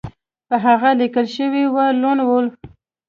په هغه لیکل شوي وو لون وولف